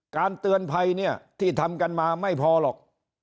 เตือนภัยเนี่ยที่ทำกันมาไม่พอหรอก